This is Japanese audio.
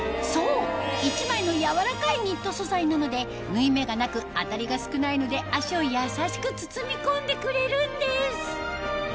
１枚の柔らかいニット素材なので縫い目がなく当たりが少ないので足を優しく包みこんでくれるんです